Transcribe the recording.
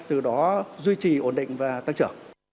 từ đó duy trì ổn định và tăng trưởng